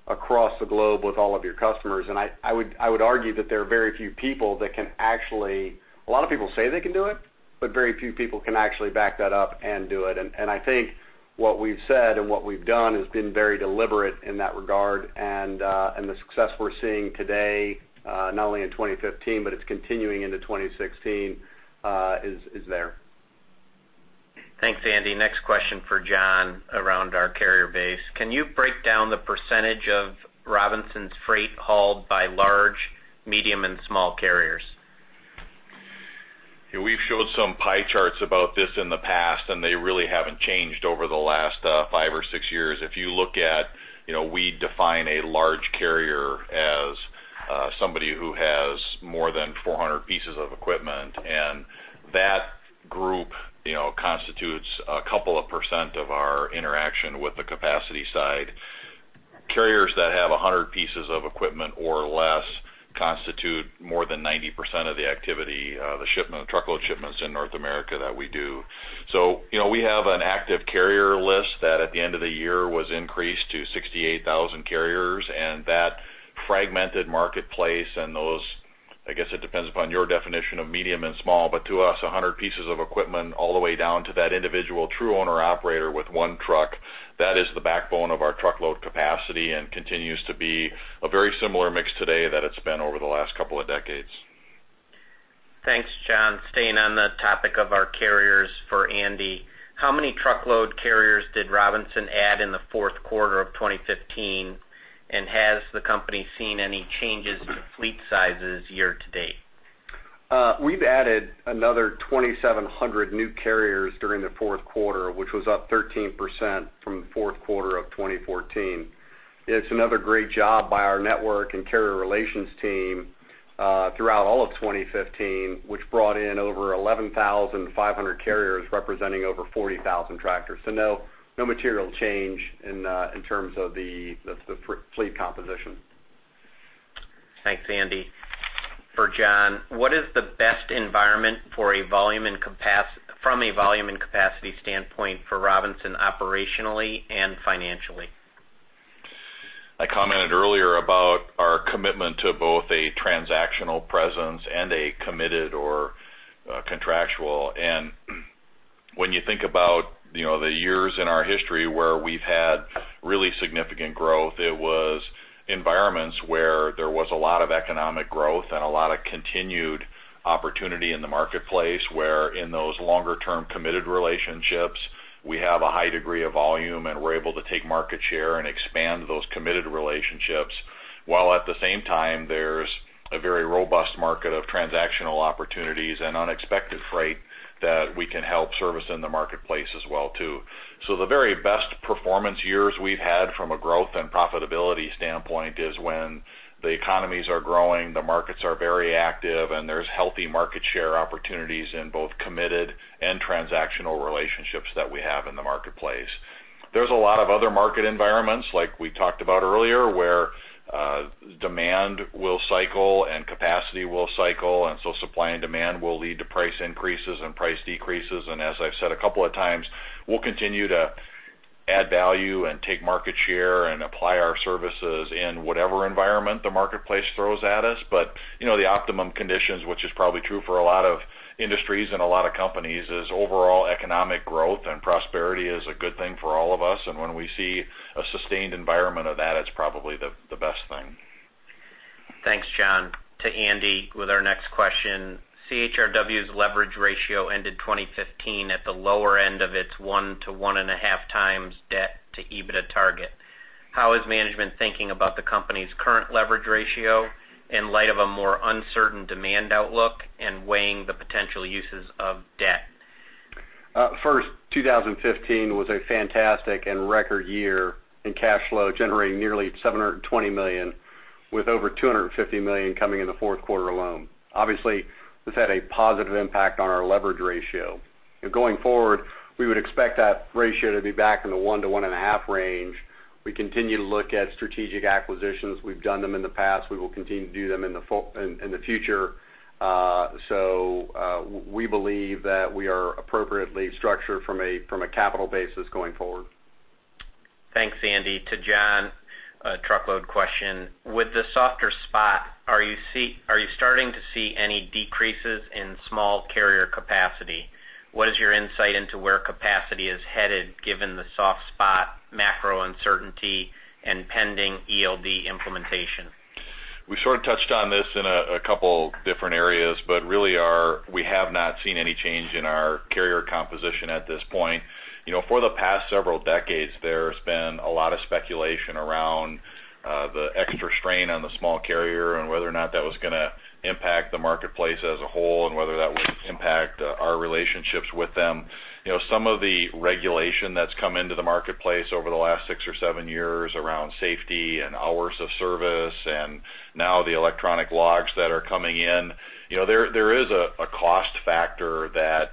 across the globe with all of your customers. I would argue that there are very few people that can actually, a lot of people say they can do it, but very few people can actually back that up and do it. I think what we've said and what we've done has been very deliberate in that regard, and the success we're seeing today, not only in 2015, but it's continuing into 2016, is there. Thanks, Andy. Next question for John around our carrier base. Can you break down the % of Robinson's freight hauled by large, medium, and small carriers? We've showed some pie charts about this in the past, and they really haven't changed over the last five or six years. If you look at, we define a large carrier as somebody who has more than 400 pieces of equipment, and that group constitutes a couple of % of our interaction with the capacity side. Carriers that have 100 pieces of equipment or less constitute more than 90% of the activity of the truckload shipments in North America that we do. We have an active carrier list that at the end of the year was increased to 68,000 carriers, and that fragmented marketplace and those, I guess it depends upon your definition of medium and small, but to us, 100 pieces of equipment all the way down to that individual true owner-operator with one truck, that is the backbone of our truckload capacity and continues to be a very similar mix today that it's been over the last couple of decades. Thanks, John. Staying on the topic of our carriers for Andy. How many truckload carriers did Robinson add in the fourth quarter of 2015, and has the company seen any changes to fleet sizes year-to-date? We've added another 2,700 new carriers during the fourth quarter, which was up 13% from the fourth quarter of 2014. It's another great job by our network and carrier relations team, throughout all of 2015, which brought in over 11,500 carriers representing over 40,000 tractors. No material change in terms of the fleet composition. Thanks, Andy. For John, what is the best environment from a volume and capacity standpoint for Robinson operationally and financially? I commented earlier about our commitment to both a transactional presence and a committed or contractual. When you think about the years in our history where we've had really significant growth, it was environments where there was a lot of economic growth and a lot of continued opportunity in the marketplace, where in those longer-term committed relationships, we have a high degree of volume, and we're able to take market share and expand those committed relationships. While at the same time, there's a very robust market of transactional opportunities and unexpected freight that we can help service in the marketplace as well, too. The very best performance years we've had from a growth and profitability standpoint is when the economies are growing, the markets are very active, and there's healthy market share opportunities in both committed and transactional relationships that we have in the marketplace. There's a lot of other market environments, like we talked about earlier, where demand will cycle and capacity will cycle, supply and demand will lead to price increases and price decreases. As I've said a couple of times, we'll continue to add value and take market share and apply our services in whatever environment the marketplace throws at us. The optimum conditions, which is probably true for a lot of industries and a lot of companies, is overall economic growth and prosperity is a good thing for all of us. When we see a sustained environment of that, it's probably the best thing. Thanks, John. To Andy with our next question. CHRW's leverage ratio ended 2015 at the lower end of its one to one and a half times debt to EBITDA target. How is management thinking about the company's current leverage ratio in light of a more uncertain demand outlook and weighing the potential uses of debt? First, 2015 was a fantastic and record year in cash flow, generating nearly $720 million, with over $250 million coming in the fourth quarter alone. Obviously, this had a positive impact on our leverage ratio. Going forward, we would expect that ratio to be back in the one to one and a half range. We continue to look at strategic acquisitions. We've done them in the past. We will continue to do them in the future. We believe that we are appropriately structured from a capital basis going forward. Thanks, Andy. To John, a truckload question. With the softer spot, are you starting to see any decreases in small carrier capacity? What is your insight into where capacity is headed given the soft spot, macro uncertainty, and pending ELD implementation? We sort of touched on this in a couple different areas, but really we have not seen any change in our carrier composition at this point. For the past several decades, there's been a lot of speculation around the extra strain on the small carrier and whether or not that was going to impact the marketplace as a whole, and whether that would impact our relationships with them. Some of the regulation that's come into the marketplace over the last six or seven years around safety and hours of service and now the electronic logs that are coming in, there is a cost factor that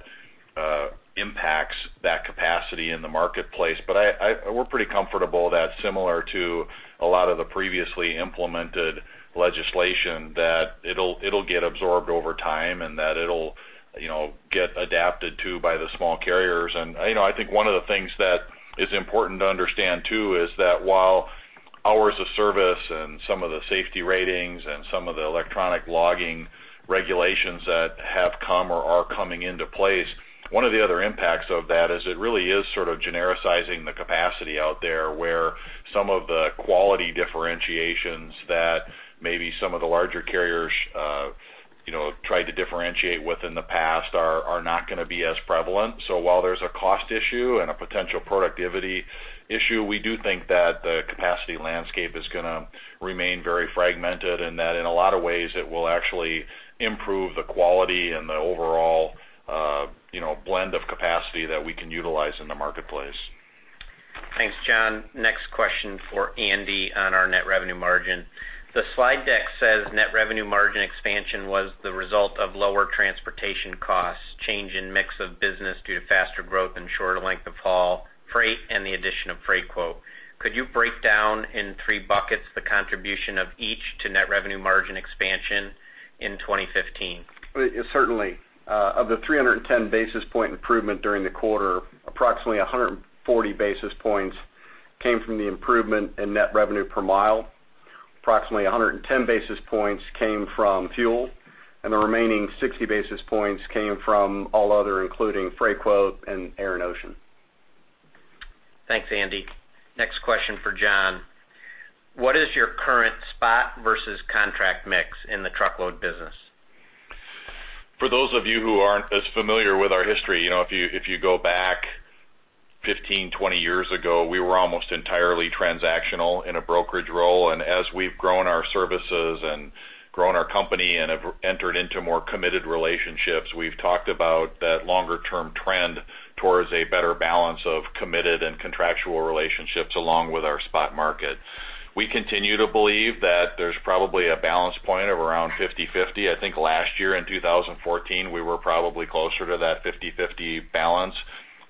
impacts that capacity in the marketplace. We're pretty comfortable that similar to a lot of the previously implemented legislation, that it'll get absorbed over time and that it'll get adapted to by the small carriers. I think one of the things that is important to understand, too, is that while hours of service and some of the safety ratings and some of the electronic logging regulations that have come or are coming into place, one of the other impacts of that is it really is sort of genericizing the capacity out there, where some of the quality differentiations that maybe some of the larger carriers have tried to differentiate with in the past are not going to be as prevalent. While there's a cost issue and a potential productivity issue, we do think that the capacity landscape is going to remain very fragmented and that in a lot of ways, it will actually improve the quality and the overall blend of capacity that we can utilize in the marketplace. Thanks, John. Next question for Andy on our net revenue margin. The slide deck says net revenue margin expansion was the result of lower transportation costs, change in mix of business due to faster growth and shorter length of haul freight, and the addition of Freightquote. Could you break down in three buckets the contribution of each to net revenue margin expansion in 2015? Certainly. Of the 310 basis point improvement during the quarter, approximately 140 basis points came from the improvement in net revenue per mile. Approximately 110 basis points came from fuel, and the remaining 60 basis points came from all other, including Freightquote and air and ocean. Thanks, Andy. Next question for John. What is your current spot versus contract mix in the truckload business? For those of you who aren't as familiar with our history, if you go back 15, 20 years ago, we were almost entirely transactional in a brokerage role. As we've grown our services and grown our company and have entered into more committed relationships, we've talked about that longer-term trend towards a better balance of committed and contractual relationships along with our spot market. We continue to believe that there's probably a balance point of around 50/50. I think last year in 2014, we were probably closer to that 50/50 balance.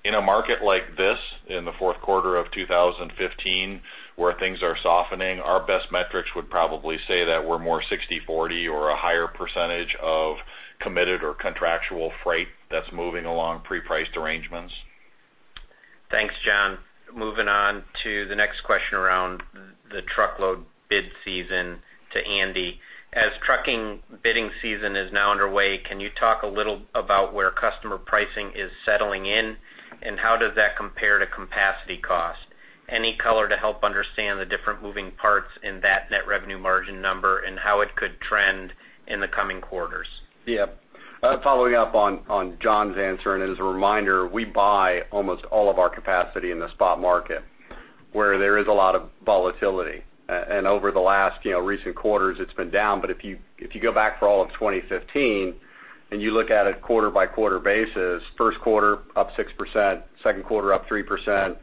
In a market like this, in the fourth quarter of 2015, where things are softening, our best metrics would probably say that we're more 60/40 or a higher percentage of committed or contractual freight that's moving along pre-priced arrangements. Thanks, John. Moving on to the next question around the truckload bid season to Andy. As trucking bidding season is now underway, can you talk a little about where customer pricing is settling in, and how does that compare to capacity cost? Any color to help understand the different moving parts in that net revenue margin number and how it could trend in the coming quarters? Yeah. Following up on John's answer, as a reminder, we buy almost all of our capacity in the spot market, where there is a lot of volatility. Over the last recent quarters, it's been down. If you go back for all of 2015 and you look at a quarter-by-quarter basis, first quarter up 6%, second quarter up 3%,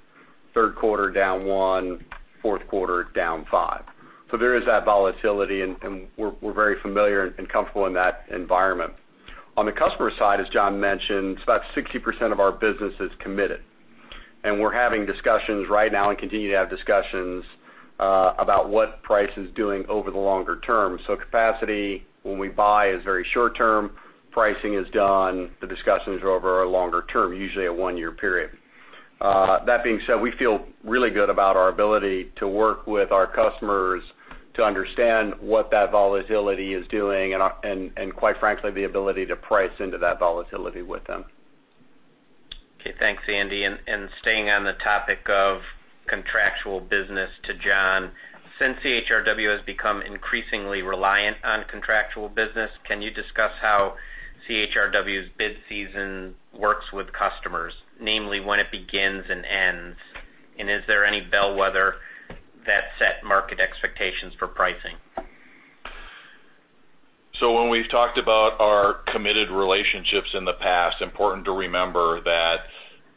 third quarter down one, fourth quarter down five. There is that volatility, and we're very familiar and comfortable in that environment. On the customer side, as John mentioned, it's about 60% of our business is committed. We're having discussions right now and continue to have discussions about what price is doing over the longer term. Capacity, when we buy, is very short term. Pricing is done, the discussions are over a longer term, usually a one-year period. That being said, we feel really good about our ability to work with our customers to understand what that volatility is doing and quite frankly, the ability to price into that volatility with them. Okay. Thanks, Andy. Staying on the topic of contractual business to John, since CHRW has become increasingly reliant on contractual business, can you discuss how CHRW's bid season works with customers, namely when it begins and ends? Is there any bellwether that set market expectations for pricing? When we've talked about our committed relationships in the past, important to remember that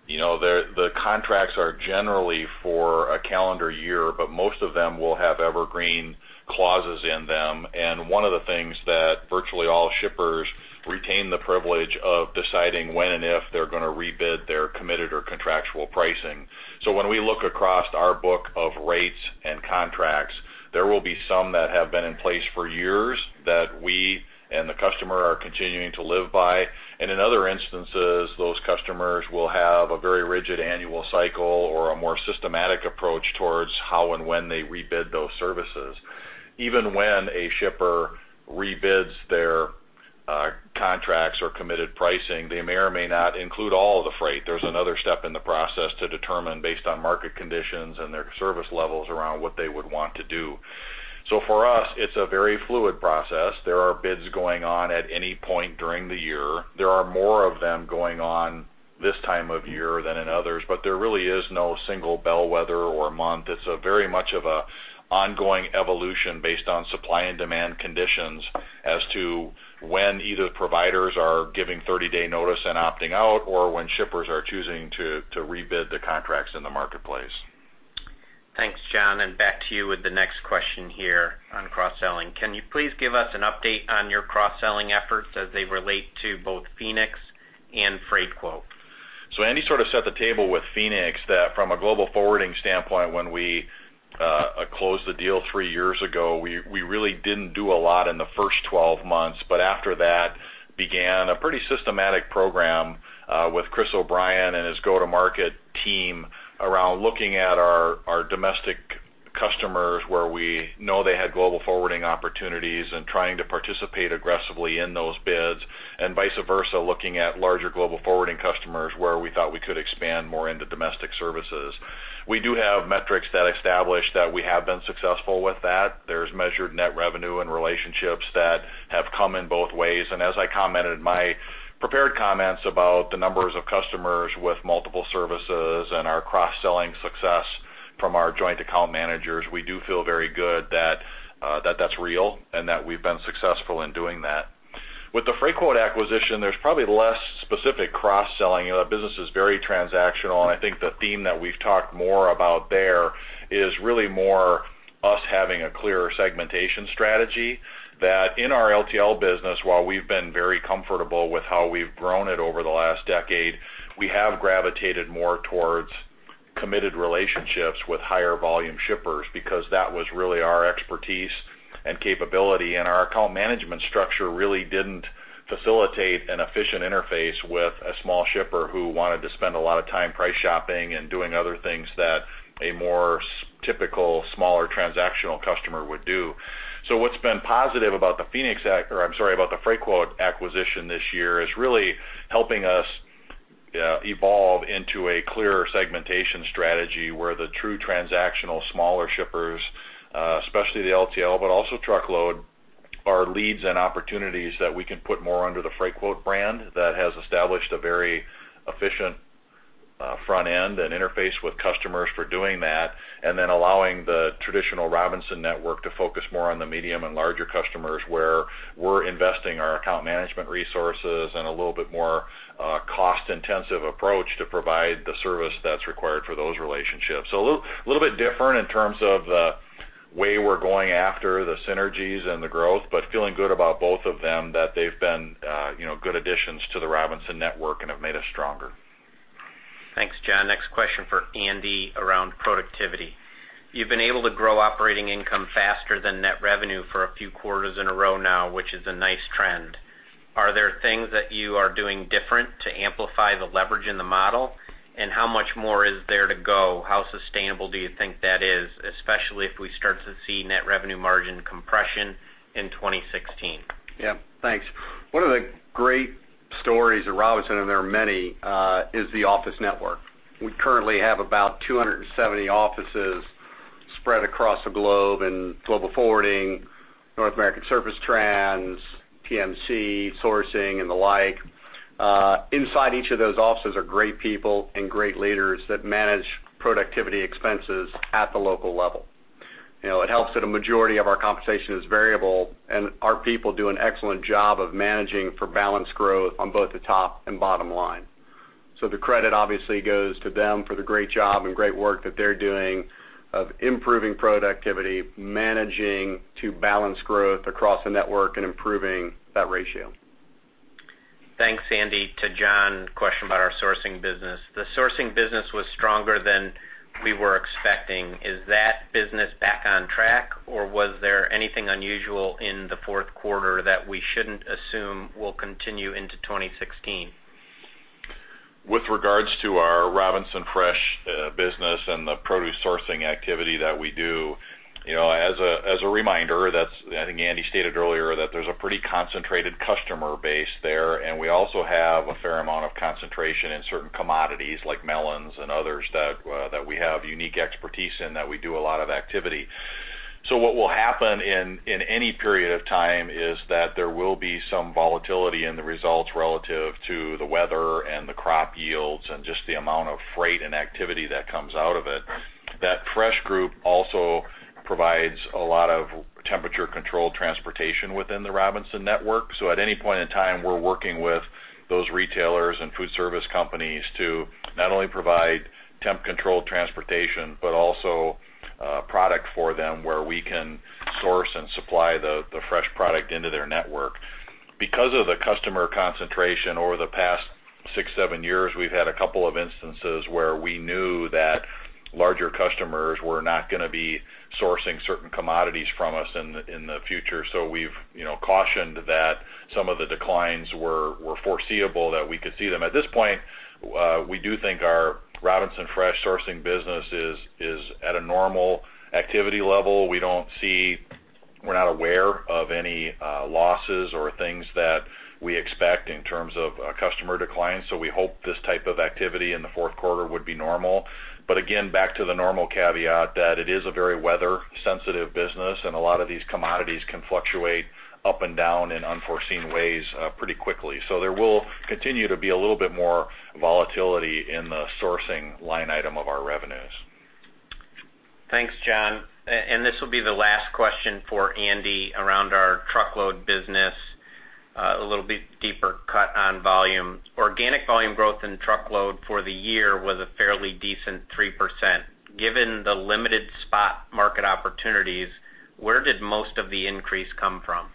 the contracts are generally for a calendar year, but most of them will have evergreen clauses in them. One of the things that virtually all shippers retain the privilege of deciding when and if they're going to rebid their committed or contractual pricing. When we look across our book of rates and contracts, there will be some that have been in place for years that we and the customer are continuing to live by. In other instances, those customers will have a very rigid annual cycle or a more systematic approach towards how and when they rebid those services. Even when a shipper rebids their contracts or committed pricing, they may or may not include all of the freight. There's another step in the process to determine based on market conditions and their service levels around what they would want to do. For us, it's a very fluid process. There are bids going on at any point during the year. There are more of them going on this time of year than in others, but there really is no single bellwether or month. It's a very much of a ongoing evolution based on supply and demand conditions as to when either providers are giving 30-day notice and opting out, or when shippers are choosing to rebid the contracts in the marketplace. Thanks, John, back to you with the next question here on cross-selling. Can you please give us an update on your cross-selling efforts as they relate to both Phoenix and Freightquote? Andy sort of set the table with Phoenix that from a global forwarding standpoint, when we closed the deal three years ago, we really didn't do a lot in the first 12 months. After that, began a pretty systematic program with Chris O'Brien and his go-to-market team around looking at our domestic customers where we know they had global forwarding opportunities and trying to participate aggressively in those bids and vice versa, looking at larger global forwarding customers where we thought we could expand more into domestic services. We do have metrics that establish that we have been successful with that. There's measured net revenue and relationships that have come in both ways. As I commented in my prepared comments about the numbers of customers with multiple services and our cross-selling success from our joint account managers, we do feel very good that that's real and that we've been successful in doing that. With the Freightquote acquisition, there's probably less specific cross-selling. That business is very transactional, and I think the theme that we've talked more about there is really more us having a clearer segmentation strategy that in our LTL business, while we've been very comfortable with how we've grown it over the last decade, we have gravitated more towards committed relationships with higher volume shippers because that was really our expertise and capability. Our account management structure really didn't facilitate an efficient interface with a small shipper who wanted to spend a lot of time price shopping and doing other things that a more typical, smaller transactional customer would do. What's been positive about the Freightquote acquisition this year is really helping us evolve into a clearer segmentation strategy where the true transactional smaller shippers, especially the LTL, but also truckload, are leads and opportunities that we can put more under the Freightquote brand that has established a very efficient front end and interface with customers for doing that, and then allowing the traditional Robinson network to focus more on the medium and larger customers where we're investing our account management resources and a little bit more cost-intensive approach to provide the service that's required for those relationships. A little bit different in terms of the way we're going after the synergies and the growth, but feeling good about both of them that they've been good additions to the Robinson network and have made us stronger. Thanks, John. Next question for Andy around productivity. You've been able to grow operating income faster than net revenue for a few quarters in a row now, which is a nice trend. Are there things that you are doing different to amplify the leverage in the model? How much more is there to go? How sustainable do you think that is, especially if we start to see net revenue margin compression in 2016? Thanks. One of the great stories at Robinson, and there are many, is the office network. We currently have about 270 offices spread across the globe in global forwarding, North American Surface Transportation, TMC, sourcing, and the like. Inside each of those offices are great people and great leaders that manage productivity expenses at the local level. It helps that a majority of our compensation is variable, our people do an excellent job of managing for balanced growth on both the top and bottom line. The credit obviously goes to them for the great job and great work that they're doing of improving productivity, managing to balance growth across the network, and improving that ratio. Thanks, Andy. To John, question about our sourcing business. The sourcing business was stronger than we were expecting. Is that business back on track, or was there anything unusual in the fourth quarter that we shouldn't assume will continue into 2016? With regards to our Robinson Fresh business and the produce sourcing activity that we do, as a reminder, I think Andy stated earlier that there's a pretty concentrated customer base there, we also have a fair amount of concentration in certain commodities like melons and others that we have unique expertise in, that we do a lot of activity. What will happen in any period of time is that there will be some volatility in the results relative to the weather and the crop yields and just the amount of freight and activity that comes out of it. That fresh group also provides a lot of temperature-controlled transportation within the Robinson network. At any point in time, we're working with those retailers and food service companies to not only provide temp control transportation, but also product for them where we can source and supply the fresh product into their network. Because of the customer concentration over the past six, seven years, we've had a couple of instances where we knew that larger customers were not going to be sourcing certain commodities from us in the future. We've cautioned that some of the declines were foreseeable, that we could see them. At this point, we do think our Robinson Fresh sourcing business is at a normal activity level. We're not aware of any losses or things that we expect in terms of customer declines. We hope this type of activity in the fourth quarter would be normal. Again, back to the normal caveat that it is a very weather-sensitive business, and a lot of these commodities can fluctuate up and down in unforeseen ways pretty quickly. There will continue to be a little bit more volatility in the sourcing line item of our revenues. Thanks, John. This will be the last question for Andy around our truckload business, a little bit deeper cut on volume. Organic volume growth in truckload for the year was a fairly decent 3%. Given the limited spot market opportunities, where did most of the increase come from?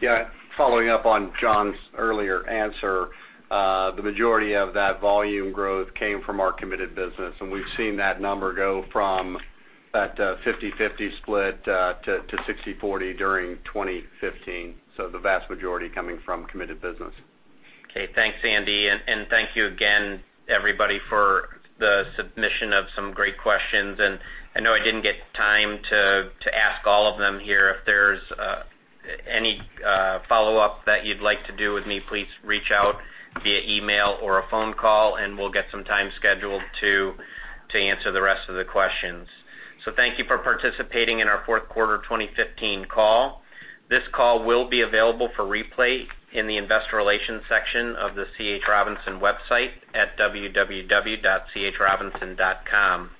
Yeah. Following up on John's earlier answer, the majority of that volume growth came from our committed business, and we've seen that number go from that 50/50 split to 60/40 during 2015. The vast majority coming from committed business. Okay. Thanks, Andy. Thank you again everybody for the submission of some great questions. I know I didn't get time to ask all of them here. If there's any follow-up that you'd like to do with me, please reach out via email or a phone call, and we'll get some time scheduled to answer the rest of the questions. Thank you for participating in our fourth quarter 2015 call. This call will be available for replay in the investor relations section of the C.H. Robinson website at www.chrobinson.com.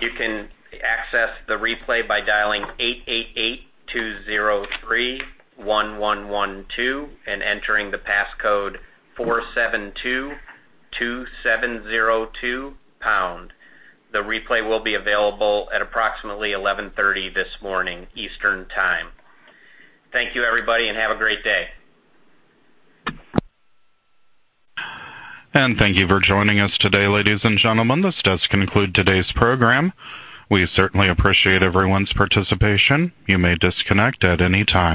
You can access the replay by dialing 888-203-1112 and entering the passcode 4722702#. The replay will be available at approximately 11:30 this morning, Eastern Time. Thank you everybody, and have a great day. Thank you for joining us today, ladies and gentlemen. This does conclude today's program. We certainly appreciate everyone's participation. You may disconnect at any time.